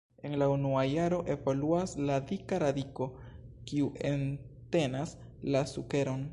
En la unua jaro evoluas la dika radiko, kiu entenas la sukeron.